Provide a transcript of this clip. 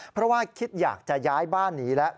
เพราะว่าคิดอยากจะย้ายบ้านหนีแล้ว